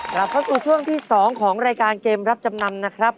กลับเข้าสู่ช่วงที่๒ของรายการเกมรับจำนำนะครับ